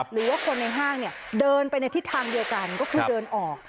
หรือว่าคนในห้างเดินไปในทิศทางเดียวกันก็คือเดินออก